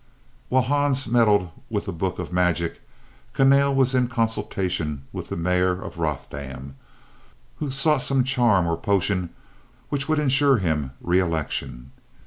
While Hans meddled with the book of magic, Kahnale was in consultation with the Mayor of Rothdam, who sought some charm or potion which would insure him reëlection.